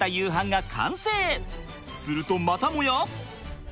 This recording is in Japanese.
するとまたもや。